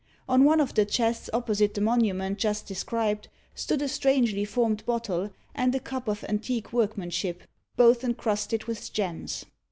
On one of the chests opposite the monument just described stood a strangely formed bottle and a cup of antique workmanship, both encrusted with gems.